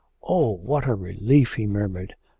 'Oh, what a relief!' he murmured.